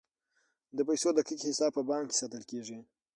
د پیسو دقیق حساب په بانک کې ساتل کیږي.